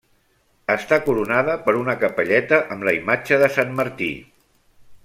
Està coronada per una capelleta amb la imatge de Sant Martí.